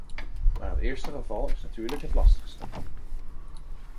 Maar het eerste geval is natuurlijk het lastigste.